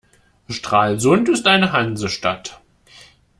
Stralsund ist eine Hansestadt.